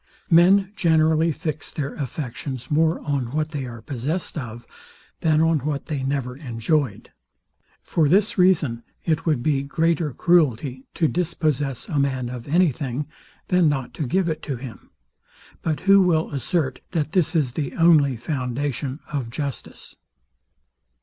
Men generally fix their affections more on what they are possessed of, than on what they never enjoyed: For this reason, it would be greater cruelty to dispossess a man of any thing, than not to give it him. But who will assert, that this is the only foundation of justice?